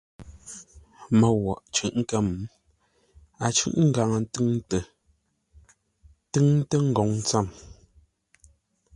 Môu woghʼ cʉ̂ʼ kə̌m, a cʉ̂ʼ ngaŋə ntúŋtə, túŋtə́ ngoŋ tsəm.